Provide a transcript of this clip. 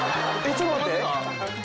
ちょっと待って。